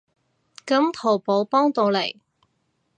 噉淘寶幫到你